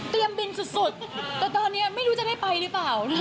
บินสุดแต่ตอนนี้ไม่รู้จะได้ไปหรือเปล่า